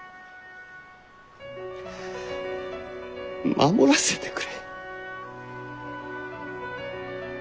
守らせてくれ。